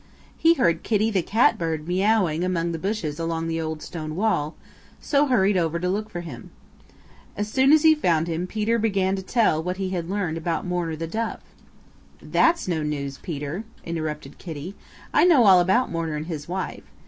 He heard Kitty the Catbird meowing among the bushes along the old stone wall, so hurried over to look for him. As soon as he found him Peter began to tell what he had learned about Mourner the Dove. "That's no news, Peter," interrupted Kitty. "I know all about Mourner and his wife.